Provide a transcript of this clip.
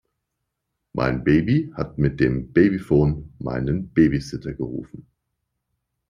Mein Baby hat mit dem Babyphon meinen Babysitter gerufen.